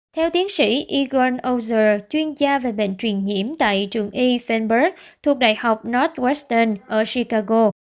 theo tiến sĩ egon ozer chuyên gia về bệnh truyền nhiễm tại trường y fenberg thuộc đại học northwestern ở chicago